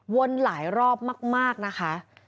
หลายรอบมากนะคะ